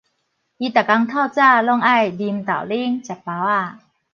伊逐工透早攏愛啉豆奶、食包仔